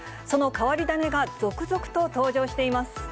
その変わり種が続々と登場しています。